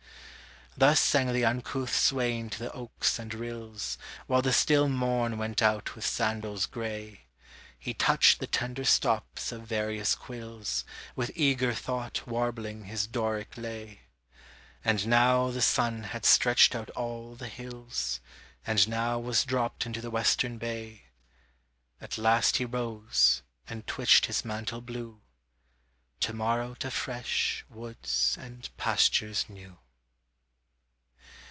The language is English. Thus sang the uncouth swain to th' oaks and rills, While the still morn went out with sandals gray; He touched the tender stops of various quills, With eager thought warbling his Doric lay. And now the sun had stretched out all the hills, And now was dropt into the western bay; At last he rose, and twitched his mantle blue: To morrow to fresh, woods and pastures new.